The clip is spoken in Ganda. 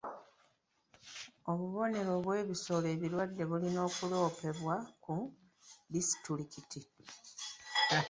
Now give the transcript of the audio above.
Obubonero bw'ebisolo ebirwadde bulina okuloopebwa ku disitulikiti.